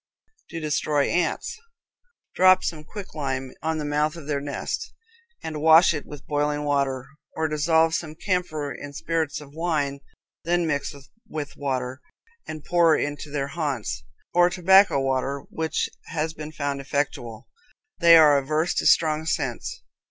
To Destroy Ants. Drop some quicklime on the mouth of their nest, and wash it with boiling water, or dissolve some camphor in spirits of wine, then mix with water, and pour into their haunts; or tobacco water, which has been found effectual. They are averse to strong scents.